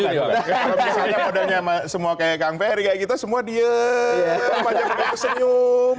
kalau misalnya modelnya semua kayak kang ferry kayak gitu semua diem